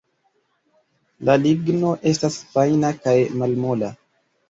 La ligno estas fajna kaj malmola.